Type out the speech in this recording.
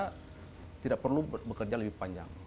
kita tidak perlu bekerja lebih panjang